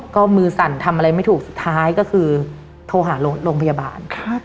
ก็มือสั่นทำอะไรไม่ถูกสุดท้ายก็คือโทรหาโรงพยาบาล